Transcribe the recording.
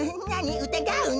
うたがうの？